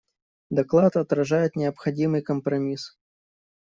Доклад отражает необходимый компромисс.